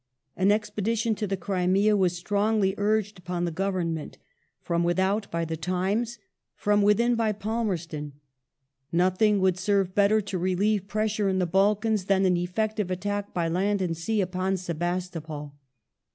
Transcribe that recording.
An expedition to the Crimea was strongly urged upon the Govern ment, from without by The Times, from within by Palmerston. Nothing would serve better to relieve pressure in the Balkans than an effective attack by land and sea upon Sebastopol.